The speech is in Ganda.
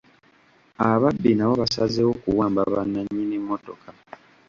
Ababbi nabo basazeewo kuwamba bannannnyini mmotoka.